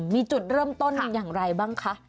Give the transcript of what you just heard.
มีจุดเริ่มต้นอย่างไรบ้างคะ